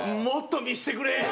もっと見してくれ！